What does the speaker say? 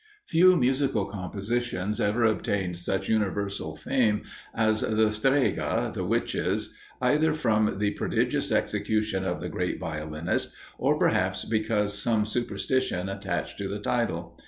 Few musical compositions ever obtained such universal fame as the "Streghe" (the Witches), either from the prodigious execution of the great violinist, or perhaps because some superstition attached to the title.